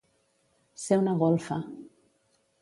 Ser una golfa.